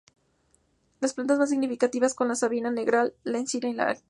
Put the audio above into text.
Las plantas más significativas son la sabina negral, la encina y la acacia.